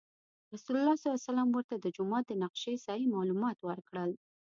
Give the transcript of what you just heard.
رسول الله صلی الله علیه وسلم ورته د جومات د نقشې صحیح معلومات ورکړل.